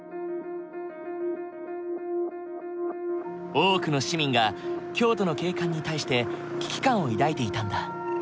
多くの市民が京都の景観に対して危機感を抱いていたんだ。